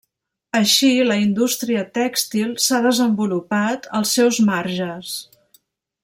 Així la indústria tèxtil s'ha desenvolupat als seus marges.